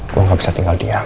gue gak bisa tinggal diam